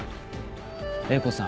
英子さん